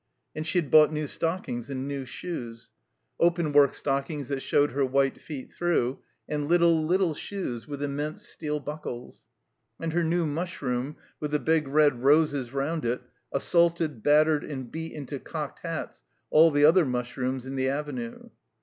And she had bought new stockings and new shoes; THE COMBINED MAZE openwork stockings that showed her white feet through, and little, little shoes with immense steel buckles. And her new mushroom with the big red roses rotmd it assaulted, battered, and beat into cocked hats all the other mushrooms in the Avenue.